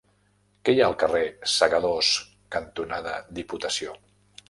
Què hi ha al carrer Segadors cantonada Diputació?